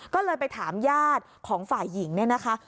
ก็เลยไปถามญาติของฝ่ายหญิงเนี่ยนะคะ